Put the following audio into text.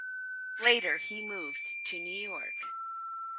Later he moved to New York.